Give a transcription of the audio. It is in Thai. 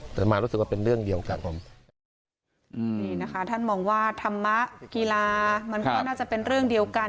แต่มารู้สึกว่าเป็นเรื่องเดียวกันผมอืมนี่นะคะท่านมองว่าธรรมะกีฬามันก็น่าจะเป็นเรื่องเดียวกัน